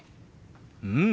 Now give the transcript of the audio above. うん！